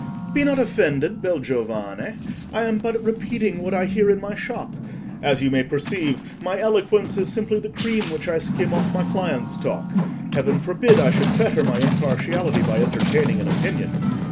"Be not offended, bel giovane; I am but repeating what I hear in my shop; as you may perceive, my eloquence is simply the cream which I skim off my clients' talk. Heaven forbid I should fetter my impartiality by entertaining an opinion.